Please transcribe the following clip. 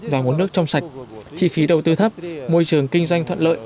và nguồn nước trong sạch chi phí đầu tư thấp môi trường kinh doanh thuận lợi